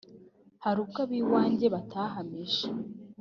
hari ubwo ab iwanjye batahamije